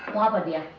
bu apa dia